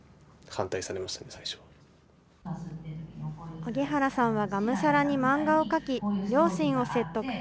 荻原さんはがむしゃらに漫画を描き、両親を説得。